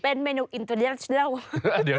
เป็นเมนูอินทรีียัลเดี๋ยว